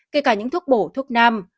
kể cả những thuốc bổ thuốc nam